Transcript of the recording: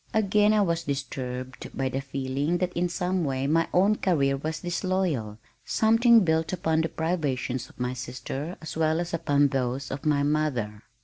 Again I was disturbed by the feeling that in some way my own career was disloyal, something built upon the privations of my sister as well as upon those of my mother.